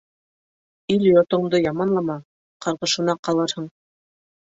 Ил-йортоңдо яманлама, ҡарғышына ҡалырһың.